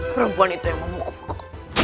perempuan itu yang memukulku